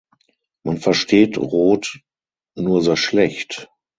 Man versteht Roth nur sehr schlecht.